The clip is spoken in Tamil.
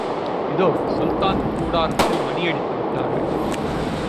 இதோ, சுல்தான் கூடாரத்தில் மணியடித்து விட்டார்கள்.